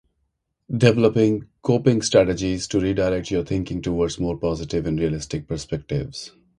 Develop coping strategies to redirect your thinking towards more positive and realistic perspectives.